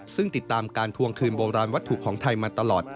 ซึ่งติดตามการทวงคืนโบราณวัตถุของไทยมาตลอด